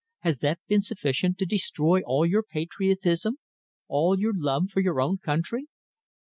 Has that been sufficient to destroy all your patriotism, all your love for your own country?"